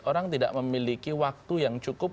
orang tidak memiliki waktu yang cukup